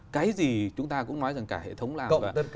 cái gì chúng ta cũng nói rằng cả hệ thống làm